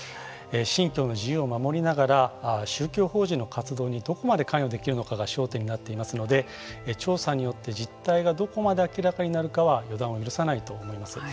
信教の自由を守りながら宗教法人の活動にどこまで関与できるのかが焦点となっていますので調査によって実態がどこまで明らかになるかは予断を許さないと思います。